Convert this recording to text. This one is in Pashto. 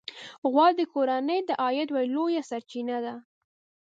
غوا د کورنۍ د عاید یوه لویه سرچینه ده.